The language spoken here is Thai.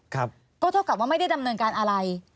ก็เท่ากับว่าไม่ได้ดำเนินการอะไร